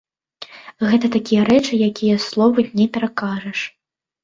Гэта такія рэчы, якія словамі не перакажаш.